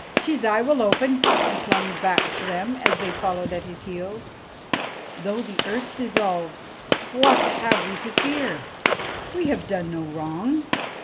' Tis I will open !' he flung back to them as they followed at his heels. ' Though the earth dissolve, what have we to fear ? We have done no wrong!